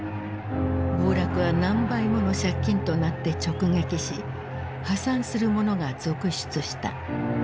暴落は何倍もの借金となって直撃し破産する者が続出した。